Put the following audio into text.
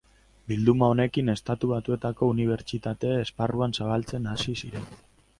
Bilduma honekin Estatu Batuetako unibertsitate esparruan zabaltzen hasi ziren.